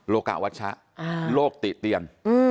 กะวัชชะโลกติเตียน